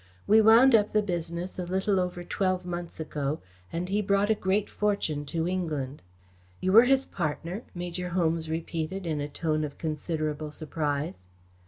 We wound up the business a little over twelve months ago and he brought a great fortune to England." "You were his partner," Major Holmes repeated in a tone of considerable surprise.